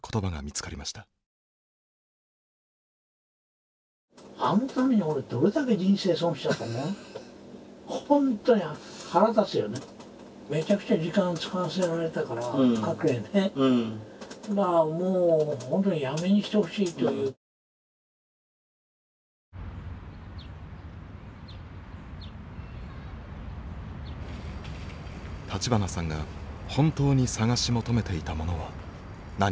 立花さんが本当に探し求めていたものは何か。